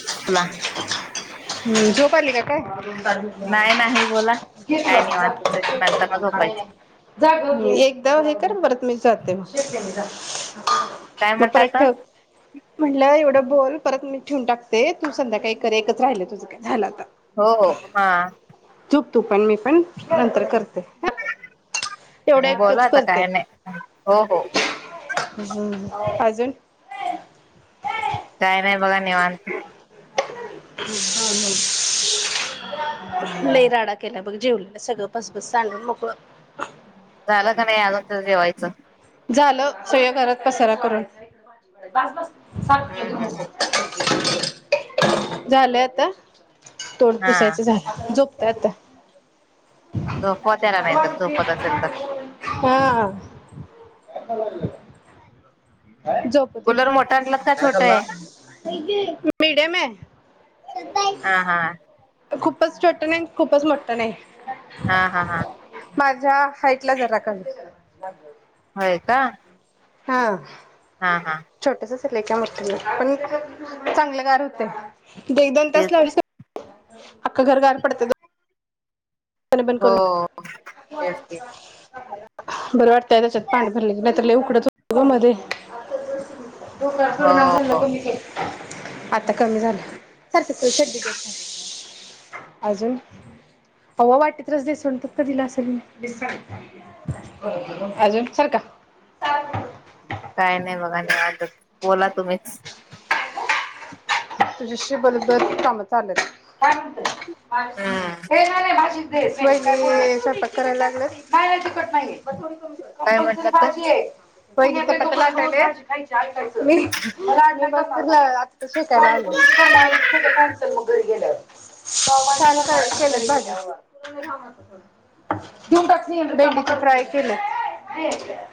[unintelligible] हम्म झोप आली का काय. नाही नाही बोला काय निवांतच आहे नंतर न झोपायचं [unintelligible] एकदा हे कर परत मी जाते मग. काय मग म्हटता परत आता? ठेव म्हटलं एवढं बोल परत मी ठिऊन टाकते तु- संध्याकाळी कर एकच राहिलं तुझं काय झाल आ हो हो हा. झोप तू पण मी पण नंतर करते. एवढ्या बोला एकच आता करते. काय [inaudible] नाही हो हो [unintelligible] काय नाय बघा निवांत. [unintelligible] हम्म लयी राडा केला. बघ जेवलेल सगळं पसपस सांडून मोकळ. झाल का नाई आजून त जेवायचं? झालं सगळ्या घरात पसरा करून. हम्म हम्म हम्म [unintelligible] झालंय आता. तोंड हा पुुसायचं झालं. झोप. तत झोपवा त्याला नाही तर झोपत असेल तर. हां [unintelligible] झोपवते कुलर मोठा आणलात का काय छोटा चालला आहे [unintelligible] मिडीयम ये हा हा खूपच छोटं नाही आणि खूपच मोठं नाही. हा हा हा माझ्या हाईटला जरा कमीच. होय का. हां हा हा लई काय मोठं नाही पण चांगलं गार होतयं. दीड-दोन तास तेच लावलीस की अख्ख घर गार पडतय गं. बंद हो करू [unintelligible] तेच ते बरं वाटतंय त्याच्यात पाणी भरल की नाही तर लय उकडत होत गं मध्ये डोक्यावर हो परिणाम झालाय [unintelligible] आता कमी झाल सारिक [unintelligible] अजून अहो वाटीत रस दिसून [unintelligible] दिलास. [unintelligible] अजून सरका [unintelligible] नाही बघा काय [unintelligible] बोला तुमीच तुझ्याशी बोलतबोलत काम चाललेत काय म्हणत कालच म्हणलं हम्म होतं ये नाय नाय माझी [unintelligible] बाईगी स्वयंपाक कराय लागल्यात नाय ये तिकट नायीये बर थोडी कंपल काय कंपलसरी म्हटलं तर भाजीये होय गी चपात्या लाटायलेत मी [unintelligible] काल आलो, [unintelligible] सगळ कॅन्सल मग घरी गेल्याव पावभाजी सानू काय केल्यात भाजी [unintelligible] देऊन टाकणी भेंडीचा फ्राय केलं दे हिकडं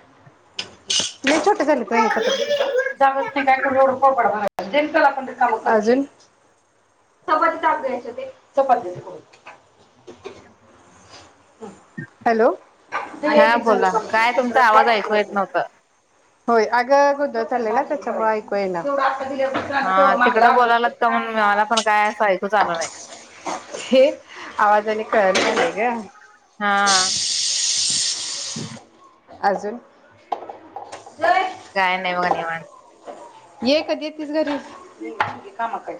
लई छोट्या झाल्यात वहिनी चपात्या, देऊ का, जागाच नाई काय करू येवढ पोळपाट भर [unintelligible] [unintelligible] अजून चपाती टाक ग हेच्यात एक चपाती हॅलो [unintelligible] हा वाटीत बोला काय तुमचा आवाज ऐकू रस येत नव्हता [unintelligible] होय अगं गोंधळ चाललाय ना त्याच्यामुळ ऐकू येईना, थोडं आता दिल्या हा तिकडं बोलाल्यात [unintelligible] मला पण काय असं ऐकूच आलं नई. [unintelligible] केलंय गं. हा [inaudible] अजून [unintelligible] काय नई बगा निवांत ये कधी येतीस घरी? [unintelligible] कामात आय,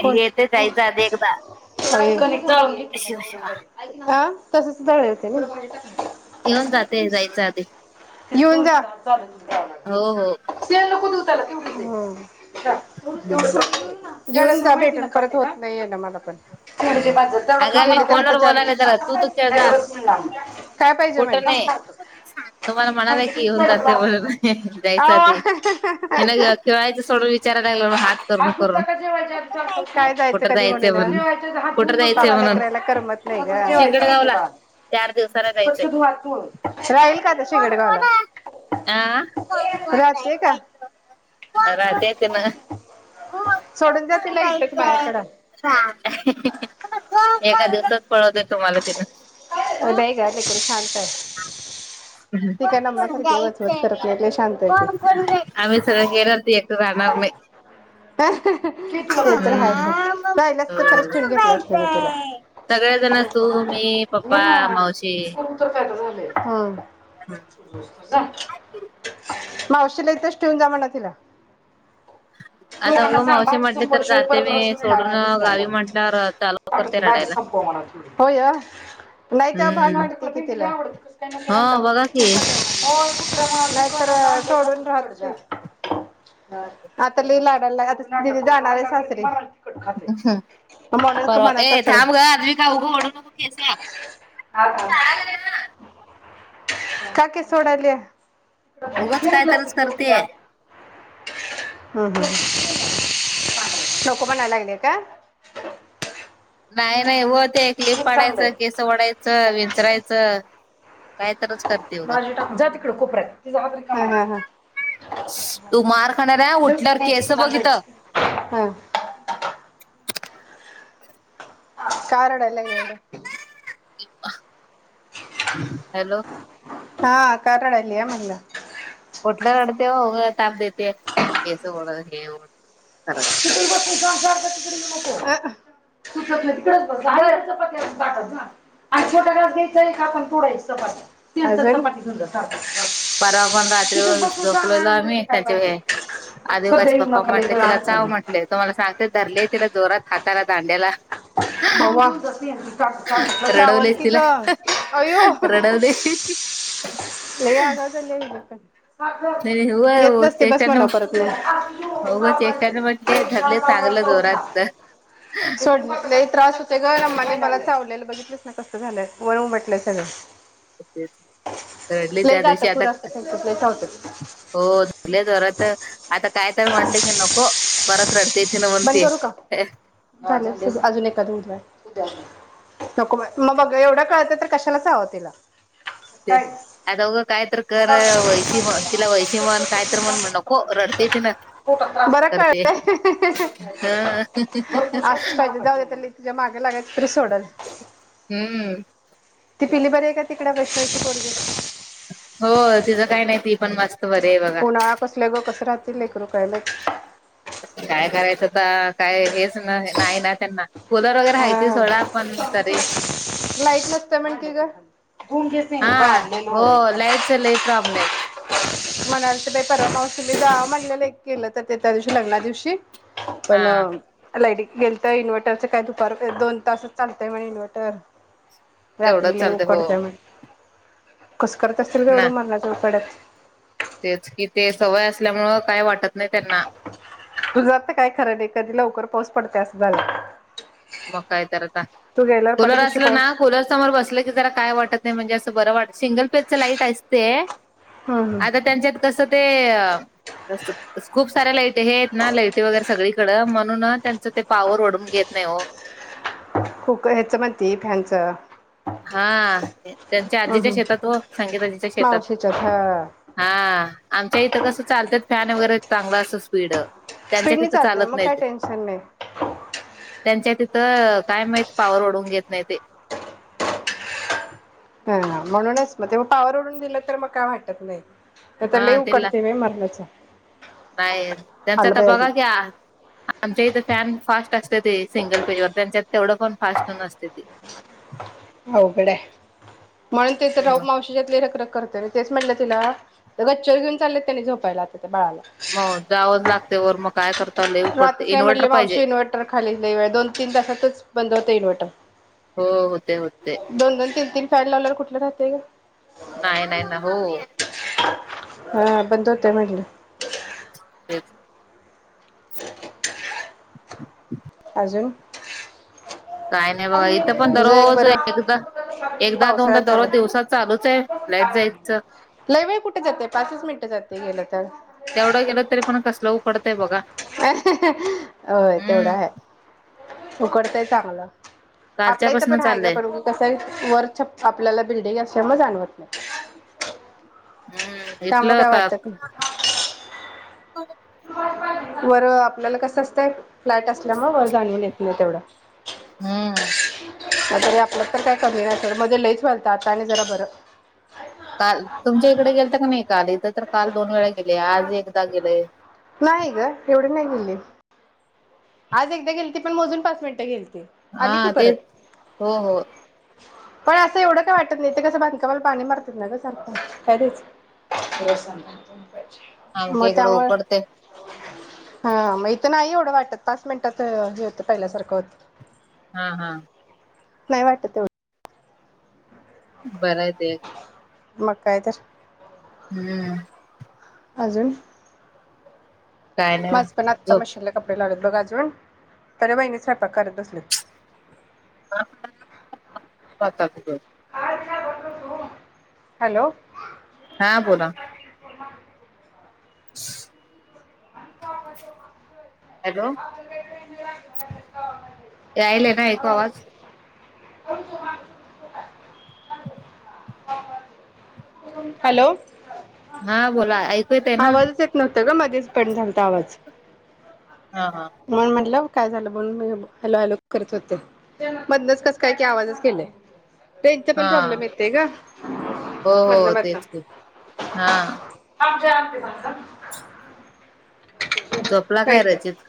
कोण येते तू जायचं आधी एकदा [unintelligible] [unintelligible] आ शिवा शिवा तसच दळायचं ना? [unintelligible] टाकली. येऊन जाते [unintelligible] युन जा [unintelligible] हो हो [unintelligible] हम्म [inaudible] नायीने ना मला पण [unintelligible] हो तेवढ खा अगं मी म्हणावं ते तर आता फोनवर चार बोलायले जरा तू तू खेळ जा [unintelligible] काय पाहिजे म्हण कुठं नाही [unintelligible] तुम्हाला थांब म्हणाला किती की येऊन वेळेस जाते बाजार मम्हणून खा. ह ह ह जायच्या आधी आव. ह्यान खेळायचं सोडून विचारायला लागलं हात करून धुतला करून का जेवायच्या आधी सारखं खा. काय कुठ कधी जायचं म्हणून जेवायच्या कुठं जायचंय बाप म्हणून लेकराला करमत नाही शिंगडगावला चार दिवसाला जायचंय. ग राहील का [unintelligible] कोण कोण हाय आ कोण कोण राहते का जायचं ना सोडून जाते कोणकोण लाईटच जायचं माझ्याकडं सांग? एका दिवसात पळवत तुम्हाला ते पण बाई ग लेकरू शांत [inaudible] बंद करून नम्मासारखी वचवच जायचं, करत नाही लय शांत आहे ती. बंद करून जायचं आम्ही सगळे गेल्यावर तू एकट रहा करणार नाही आह् ते तर आहेच हम्म हो. राहिला तर खरच ठेून घेतल असत मी तुला जायचंय? हो सगळेजणच का तू, मी, पप्पा, ना मावशी कुठेच तर राहिना झालय हम [inaudible] मावशीला इथेच ठेवून जा म्हणावं तिला आता उग दोघांना सांग मावशी भाजी म्हटली तर संपल्या शिवाय जाते परत रसच मी सोडून मिळणार दुसऱ्यांदा गावी म्हटल्यावर चालू करते ताटातली भाजी रडायला. संपव म्हनाव होय हम्म तेवढी नाहीतवा ह बघा की [unintelligible] नाही [inaudible] तर सोडून रहात आत लई लाडआलाय जाणार आहे सासरी ह ह म्हणून का परवा म्हणत ए असल. थांब ग आज खाऊ गोड [unintelligible] काकी सोडलिया उगंच काय तरच करते हम्म हम्म नको म्हणायला लागले का? नाही नाही व ते एक ले खूप चांगलं आहे. पडायचं केस वडायचं विचारायचं काय तरच करते उगच माझे टा जात तिकडे कोपर्‍यात तू मार खाणार आहे उठल्यावर केस बघ इथं [unintelligible] का रडाय लागली एवढ? [inaudible] [inaudible] हॅलो हा का रडायली म्हंटल कुठल रडते ओ उग ताप देते केस ओढ हे ओढ करत त त्या आणि छोटा घास घ्यायचा का आपण थोडा चपाती [unintelligible] परवा पण रात्री तिथेच बसून सांग झोपलेल आणून आम्ही देते काय त्यांचे पाहिजे सध्या अद्विकाचे येऊ पप्पा नका लई म्हटले गळा तिला अडचण चाव आहे. म्हटले तुम्हाला सांग ते धरले तिला जोरात हाताला दांड्याला चावल रडवलेच की तिला गं! अयो! रडवले [unintelligible] [inaudible] येत नसते ठरले बस म्हणा परत मग आज येऊ, बाबा येते. एक घास, बाबा, चांगलं जोरात चौखा. तर त घर अम्माने मला चावलेलं बघितलंस ना कसं झालंय वन उमटलंय सगळं. रडली लय त्या दिवशी गातं आता खूर असतं त्यांच्यात लय चावतात हो ले जोरात लं. आता काय तर म्हटले की नको परत रडते तिनं बंद म्हनते करू का झालं अजून नको मग बघ एवढं कळतं, तर कशाला चावल तिला? ते काय आता बघं काय तर कर वैशी म, तिला वैशी मण काय तर मण नको रडते तिनं. बरं करते कळतंय ह. जरा मागे लागा रिसोडल. हम्म ती पिली बरी आहे का तिकडं कशाची पोरगी? हो! तिचं काय नाही ती पण मस्त बरी आहे बघा. तिलेकर रु काय काय करायचं आत्ता काय हेच नाही ना त्यांना कुलर वगैरे हाती माहित सोडा पण तरी लाईट नसतं म्हण की गं हा हो लाईटच लई प्रॉब्लेम म्हणालतं बाइ परवा मावशी जावा म्हणलेलं की, गेलं तर ते त्या दिवशी लग्ना दिवशी हा पण लाईट गेलतं इनवर्टरचं काय दुपार दोन तासचं चाल त म्हणे इन्वटर. तेवढंच रात्री लइ चालतं हो उकडतंय [unintelligible] कस करत असतील गं एवढ्या ना मरणाच्या उकड्यात? तेच कि ते सवय असल्यामुळं काय वाटत नाइ त्यांना. तुझ तर काय खरं नाही? कधी लवकर पाऊस पडतंय? असं झालंय. मग काय तर आता, तू गेल्यावर पाट कुलर दिवशी असलं पाऊस ना कुलर समोर बसलं की जरा काय वाटत नाइ म्हणजे असं बरं वाट सिंगल पेचच लाईट असते हम्म आता हम्म त्यांच्यात कसं ते खूप साऱ्या लाईट हे आहेत ना, लाईटी वगैरे सगळीकडं म्हणून त्यांच ते पाॉवर वढून घेत नाइ ओ. खूप काय ह्याच म्हणती फॅनच हा त्यांच्या आजीच्या शेतात वो संगीताजीच्या शेतात मावशीच्यात हा हा आमच्या इथं कसं चालत्यात फॅन वगैरे चांगल असं स्पीड त्यांच्या स्पीडनी तिथं चालतंय चालत मग काय नाहीत टेन्शन नाइ. त्यांच्या तिथं काय माहित पावर वढून घेत नाही ते. [unintelligible] ह म्हणूनच मग ते पावर उडून दिलं तर मग काय वाटत नाही. ते तर लइ हा तिला उकडतंय बाइ मरणाच. नाही त्यांच आता बघा की, अजून आमच्या इथं फॅन फास्ट असतेत ते सिंगल पेजवर त्यांच्या तेवढ पण फास्ट नसत्याती अवघड आहे म्हणून ते तर सगळ हम् मावशीच्यातले रख रख करत ना तेच म्हटल तिला त गच्चीवर घेऊन चालेत त्यानी झोपायला आता मग जावंच बाळाला लागते वर मग काय करता लय उकडते रातच नाही इन्व्हर्टर म्हटले पाहिजे मावशी इन्व्हर्टर खाली ने दोन तीन तासातच बंद होत इन्व्हर्टर [inaudible] हो होते होते दोन दोन तीन तीन पॅड लावल्यावर कुठल राहतय ग नाय नाय ना हो हा बंद होतय म्हटल [inaudible] [inaudible] काय नाय बघा इथ पण तुझं एक दररोज बरं एकदा एकदा दोनदा पावसाळ्यात दररोज आलंय. दिवसात चालूच आहे लाईट जायच लई वेळ कुठे जातंय पाचच मिनिटं जातंय गेलं तर. तेवढ गेल तरी पण कसल उकड तय बघा होय तेवढा हम्म हाय उकडतंय चांगल कालच्या आपल्या इथ पासन पण आहे ग चाललंय पण कसय वर छप आपल्याला बिल्डिंग असल्यामुळ जाणवत [inaudible] हम्म त्यामुळे इथलं काय का वाटतात नाय वर आपल्याला कसं असतंय फ्लाॅट असल्यामुळे वर जाणून येत नाय तेवढा हूं तरी आपल्या तर काय कमी नाहीतर मध्ये लईच व्यालत आता आणि जरा बरं काल तुमच्या इकडे गेलत का नाही काल इथं तर काल दोन वेळा गेलय आज एकदा गेलंय नाही ग एवढी नाही गेली. आज एकदा गेलती पण मोजून पाच मिनटं गेली हा तेच हो हो पण असं एवढं काय वाटत नाही ते कसं बांधकामाला पाणी मारतात ना ग सारखं काय घायच रस्सा आमच्या इकडं उकडतय हा म इथ नाही एवढं वाटत पाच मिनिटात हे होतं पहिल्यासारखं होत. हा हा नाही वाटत एवढं बरं आहे ते एक मग काय तर हूं अजून काय नाही बघा. माझ पण आत्ता झोप मशीनला कपडे लावलेत बघ अजून तर बहिणी स्वयंपाक करत असल्यात. [unintelligible] हॅलो! हा बोला. [inaudible] हॅलो [unintelligible] [unintelligible] यायलाय नाय ऐकू आवाज. [unintelligible] [unintelligible] हॅलो! हा बोला ऐक आवाजच येत न तग मध्येच कट झालता आवाज. हा हा म्हणून म्हणलं. काय झालं म्हणून म हॅलो हॅलो करत होते, मदनच कस काय की आवाजच गेलय. रेंजचा हा पण प्रॉब्लेम येतेग हो मदन हो तेच की मदन. हा [unintelligible] झोपला होय काय तर रचित.